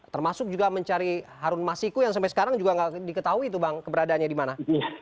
termasuk juga mencari harun masiku yang sampai sekarang juga nggak diketahui itu bang keberadaannya di mana